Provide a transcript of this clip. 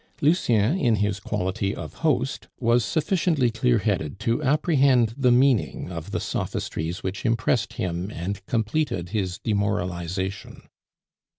Lucien, in his quality of host, was sufficiently clearheaded to apprehend the meaning of the sophistries which impressed him and completed his demoralization.